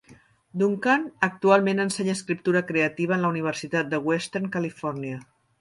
Duncan actualment ensenya escriptura creativa en la Universitat de Western Carolina.